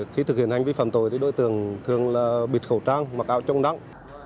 khi thực hiện hành vi phạm tội thì đối tượng thường là bịt khẩu trang mặc áo chống nắng